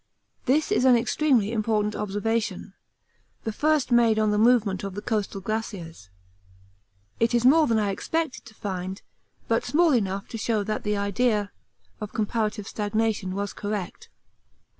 This is an extremely important observation, the first made on the movement of the coastal glaciers; it is more than I expected to find, but small enough to show that the idea of comparative stagnation was correct.